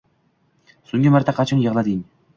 So'nggi marta qachon yig'lading?